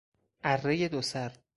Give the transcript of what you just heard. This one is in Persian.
ارهی دوسر